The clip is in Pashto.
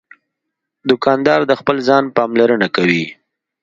دوکاندار د خپل ځان پاملرنه کوي.